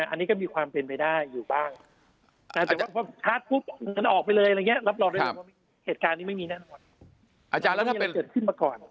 อันนี้ก็มีความเป็นไปได้อยู่บ้างแต่ว่าชาร์จปุ๊บมันออกไปเลยอะไรอย่างเงี้ย